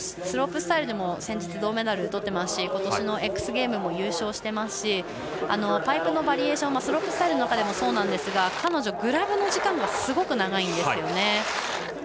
スロープスタイルでも先日銅メダルをとっていますしＸＧＡＭＥＳでも優勝してますしパイプのバリエーションがスロープスタイルの中でもそうなんですが、彼女グラブの時間がすごく長いんです。